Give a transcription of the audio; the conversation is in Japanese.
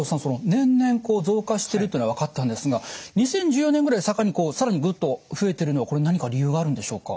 年々増加してるっていうのは分かったんですが２０１４年ぐらいを境に更にぐっと増えているのは何か理由があるんでしょうか？